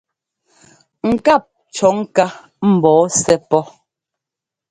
Ŋkáp cɔ̌ ŋká mbɔɔ sɛ́ pɔ́.